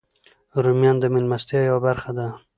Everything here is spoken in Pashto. رومیان د میلمستیا یوه برخه ده